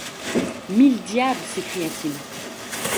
Mille diables ! s’écria-t-il.